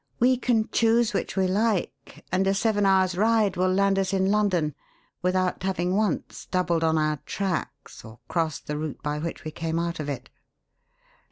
We can choose which we like, and a seven hours' ride will land us in London without having once 'doubled on our tracks' or crossed the route by which we came out of it."